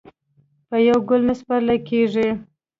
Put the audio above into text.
په یو ګل نه پسرلی کېږي